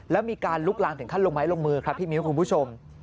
แล้วมีการลุกลามถึงขั้นลงไม้ลงมือครับพี่มิ้วคุณผู้ชม